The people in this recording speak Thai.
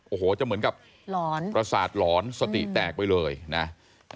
โอ้โหจะเหมือนกับหลอนประสาทหลอนสติแตกไปเลยนะ